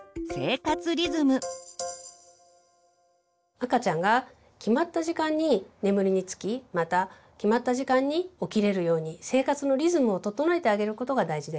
赤ちゃんが決まった時間に眠りにつきまた決まった時間に起きれるように生活のリズムを整えてあげることが大事です。